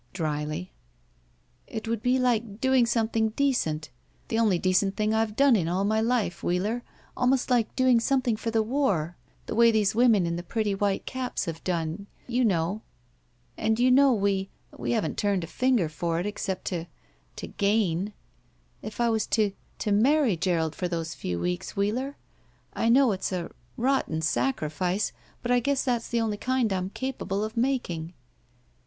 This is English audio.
dryly. It would be like doing something decent — ^the only decent thing I've done in all my life, Wheeler, almost like doing something for the war, the way these women in the pretty white caps have done, and you know we — ^we haven't turned a finger for it except to — ^to gain — ^if I was to — ^to marry Gerald for those few weeks, Wheeler. I know it's a — ^rotten sacrifice, but I guess that's the only kind I'm capable of making."